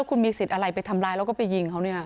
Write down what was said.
คุณมีสิทธิ์อะไรไปทำร้ายแล้วก็ไปยิงเขาเนี่ย